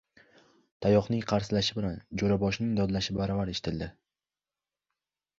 Tayoqning qarsillashi bilan jo‘raboshining dodlashi baravar eshitildi.